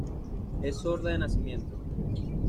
Es sorda de nacimiento.